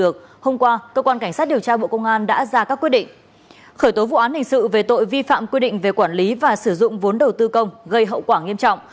khởi tố vụ án hình sự về tội vi phạm quy định về quản lý và sử dụng vốn đầu tư công gây hậu quả nghiêm trọng